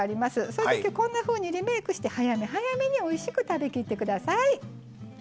そういうときこんなふうにリメイクして早め早めに、おいしく食べきってください。